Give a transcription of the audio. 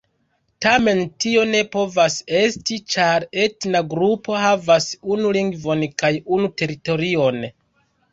Tamen tio ne povas esti, ĉar etna grupo havas unu lingvon kaj unu teritorion.